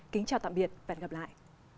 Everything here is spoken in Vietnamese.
kính chào tạm biệt và hẹn gặp lại